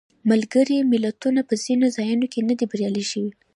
ملګري ملتونه په ځینو ځایونو کې نه دي بریالي شوي.